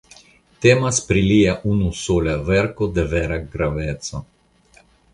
Temas pri lia unusola verko de vera graveco.